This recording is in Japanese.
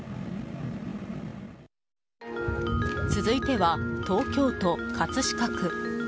続いては、東京都葛飾区。